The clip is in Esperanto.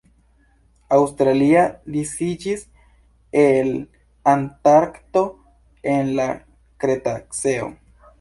Australia disiĝis el Antarkto en la Kretaceo.